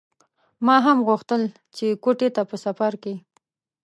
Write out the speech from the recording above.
ما هم غوښتل چې کوټې ته په سفر کې.